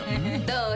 どう？